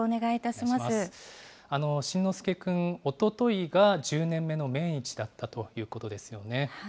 慎之介くん、おとといが１０年目の命日だったということですよね。